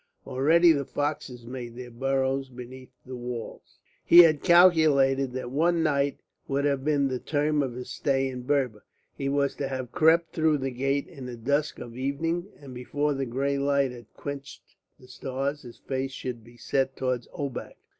Already the foxes made their burrows beneath the walls. He had calculated that one night would have been the term of his stay in Berber. He was to have crept through the gate in the dusk of the evening, and before the grey light had quenched the stars his face should be set towards Obak.